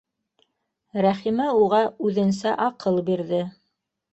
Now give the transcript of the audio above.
Рәхимә уға үҙенсә аҡыл бирҙе: